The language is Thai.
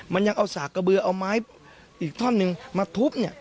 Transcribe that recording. มันยังเอาสากกระเบือเอาไม้อีกท่อนหนึ่งมาทุบเนี่ย